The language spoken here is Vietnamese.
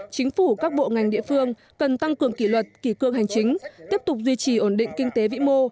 chính phủ các bộ ngành địa phương cần tăng cường kỷ luật kỷ cương hành chính tiếp tục duy trì ổn định kinh tế vĩ mô